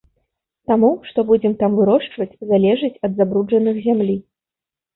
Таму, што будзем там вырошчваць, залежыць ад забруджаных зямлі.